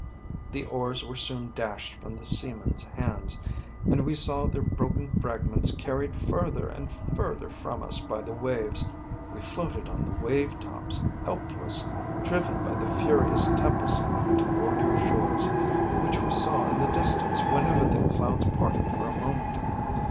The oars were soon dashed from the seamen's hands, and we saw their broken fragments carried further and further from us by the waves. We floated on the wave tops, helpless, driven by the furious tempest toward your shores, which we saw in the distance whenever the clouds parted for a moment.